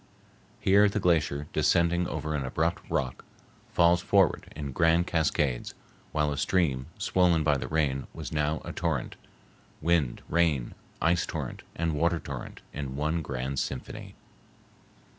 Here the glacier, descending over an abrupt rock, falls forward in grand cascades, while a stream swollen by the rain was now a torrent,—wind, rain, ice torrent, and water torrent in one grand symphony.